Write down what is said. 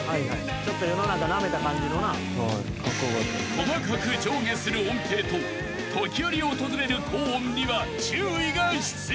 ［細かく上下する音程と時折訪れる高音には注意が必要］